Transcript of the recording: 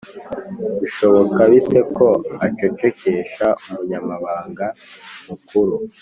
bishoboka bite ko acecekesha umunyamabanga mukuru,